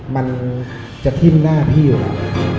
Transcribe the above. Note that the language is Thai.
มันจะทิ่มหน้าพี่อยู่แล้ว